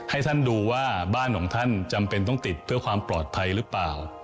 ให้ท่านดูว่าบ้านของท่านจำเป็นต้องติดเพื่อความปลอดภัยหรือเปล่า